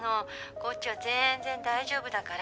こっちは全然大丈夫だから